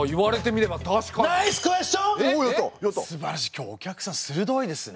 今日お客さんするどいですね。